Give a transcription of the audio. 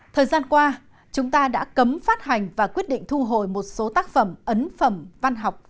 thời gian qua chúng ta đã cấm phát hành và quyết định thu hồi một số tác phẩm ấn phẩm văn học